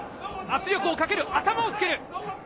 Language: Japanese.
圧力をかける、頭をつける。